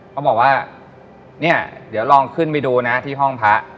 เขาบอกว่าเนี่ยเดี๋ยวลองขึ้นไปดูนะที่ห้องพระ